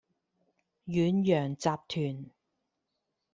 遠洋集團